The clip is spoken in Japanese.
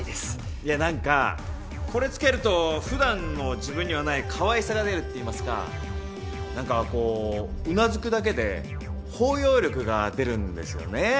いや何かこれつけると普段の自分にはない可愛さが出るって言いますか何かこううなずくだけで包容力が出るんですよね